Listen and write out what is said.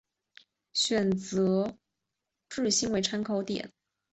选择质心为参考点可以保证电偶极矩是系统的一个内禀性质。